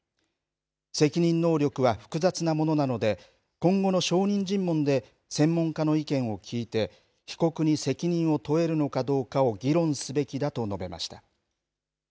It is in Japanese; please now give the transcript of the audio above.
責任能力は複雑なものなので、今後の証人尋問で専門家の意見を聞いて、被告に責任を問えるのかどうかを議論すべきだと述べました。